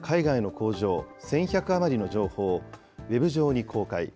工場１１００余りの情報をウェブ上に公開。